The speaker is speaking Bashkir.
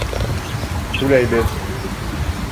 Түләйбеҙ!